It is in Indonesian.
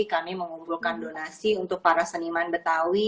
kami mengumpulkan donasi untuk para seniman betawi